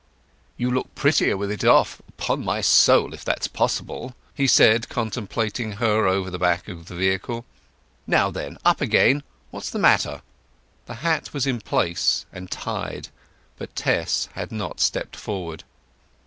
"You look prettier with it off, upon my soul, if that's possible," he said, contemplating her over the back of the vehicle. "Now then, up again! What's the matter?" The hat was in place and tied, but Tess had not stepped forward.